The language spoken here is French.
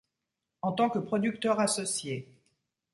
En tant que producteur associé.